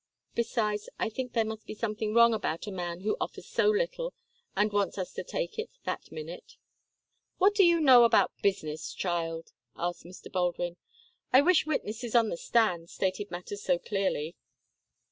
Besides, I think there must be something wrong about a man who offers so little, and wants us to take it that minute." "What do you know about business, child?" asked Mr. Baldwin. "I wish witnesses on the stand stated matters so clearly."